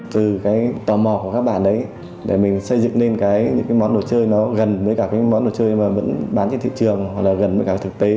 từ cái tò mò của các bạn đấy để mình xây dựng lên những cái món đồ chơi nó gần với cả cái món đồ chơi mà vẫn bán trên thị trường hoặc là gần với cả thực tế